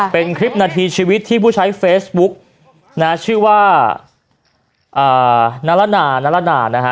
เป็นคลิปนาทีชีวิตที่ผู้ใช้เฟซบุ๊กนะชื่อว่านาละนานาละนานะฮะ